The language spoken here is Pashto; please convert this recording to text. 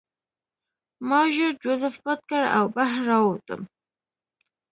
ما ژر جوزف پټ کړ او بهر راووتم